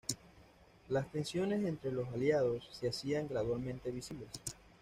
Las tensiones entre los aliados se hacían gradualmente visibles.